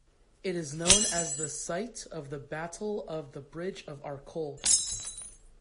It is known as the site of the Battle of the Bridge of Arcole.